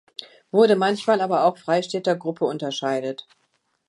Wurde manchmal aber auch Freistädter Gruppe unterscheidet.